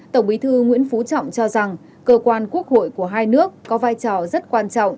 tổng bí thư nguyễn phú trọng cho rằng cơ quan quốc hội của hai nước có vai trò rất quan trọng